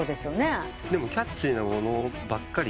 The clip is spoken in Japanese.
でもキャッチーなものばかりで。